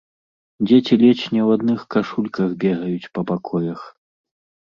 Дзеці ледзь не ў адных кашульках бегаюць па пакоях.